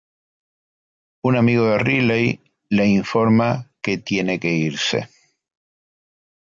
Un amigo de Riley le informa de que tienen que irse.